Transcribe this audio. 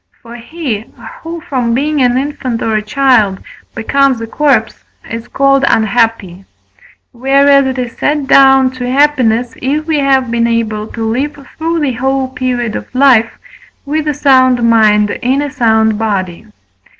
For he, who, from being an infant or a child, becomes a corpse, is called unhappy; whereas it is set down to happiness, if we have been able to live through the whole period of life with a sound mind in a sound body.